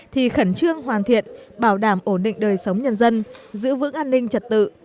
thì khẩn trương hoàn thiện bảo đảm ổn định đời sống nhân dân giữ vững an ninh trật tự